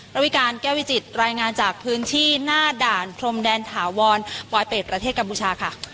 ระวิการแก้วิจิตรายงานจากพื้นที่หน้าด่านพรมแดนถาวรปลอยเป็ดประเทศกัมพูชาค่ะ